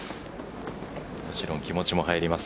もちろん気持ちも入ります。